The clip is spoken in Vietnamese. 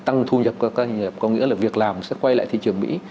tăng thu nhập các doanh nghiệp có nghĩa là việc làm sẽ quay lại thị trường mỹ